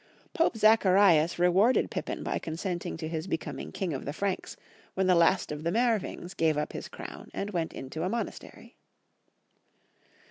Pope Zacharias re warded Pippin by consenting to his becoming king of the Franks when the last of the Meerwings gave up his crown and went into a monastery.